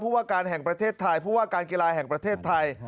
ว่าการแห่งประเทศไทยผู้ว่าการกีฬาแห่งประเทศไทย